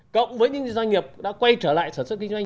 cộng với những doanh nghiệp đã quay trở lại sản xuất kinh doanh